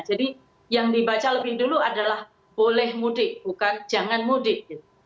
jadi yang dibaca lebih dulu adalah boleh mudik bukan jangan mudik